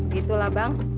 gitu lah bang